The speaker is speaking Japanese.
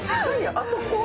あそこは。